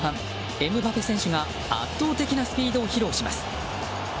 エムバペ選手が圧倒的なスピードを披露します。